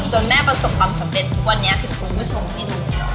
แม่ประสบความสำเร็จทุกวันนี้ถึงคุณผู้ชมที่ดูอยู่